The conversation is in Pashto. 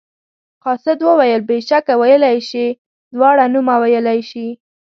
قاصد وویل بېشکه ویلی شي دواړه نومه ویلی شي.